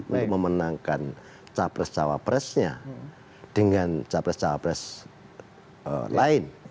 untuk memenangkan capres cawapresnya dengan capres capres lain